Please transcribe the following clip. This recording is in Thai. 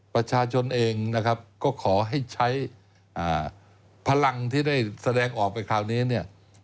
ประชาชนเองนะครับก็ขอให้ใช้พลังที่ได้แสดงออกไปคราวนี้เนี่ย